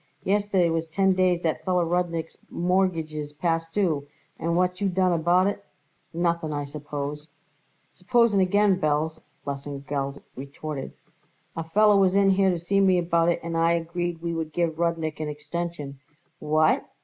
Yesterday was ten days that feller Rudnik's mortgage is past due, and what did you done about it? Nothing, I suppose." "Suppose again, Belz," Lesengeld retorted. "A feller was in here to see me about it and I agreed we would give Rudnik an extension." "What!"